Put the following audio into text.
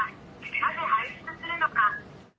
なぜ排出するのか。